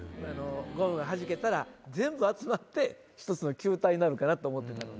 ゴムが弾けたら全部集まって１つの球体になるかなと思ってたので。